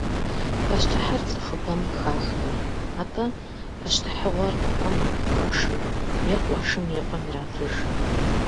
Пащтыхьыр цӏыхубэм хахкъым, атӏэ пащтыхьыгъуэр къуэм, къуэшым е къуэшым и къуэм иратыж.